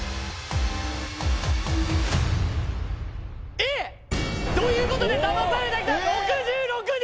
Ａ！ということで騙された人は６６人。